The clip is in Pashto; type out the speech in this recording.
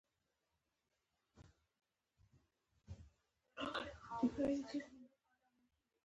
خوړل د طعام خوند ښيي